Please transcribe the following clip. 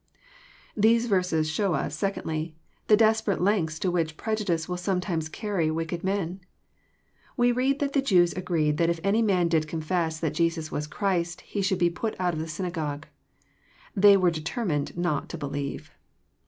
'' These verses show us, secondly, the desperate lengths to which prejudice will sometimes carry wicked men. We read that the ^^ Jews agreed that if any man did confess that Jesus was Christ, he should be put out of the synagogue.'' They were determined not to believe.